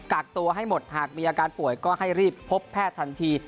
กักตัวให้หมดหากมีอาการป่วยก็ให้รีบพบแพทย์ทันที